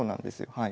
はい。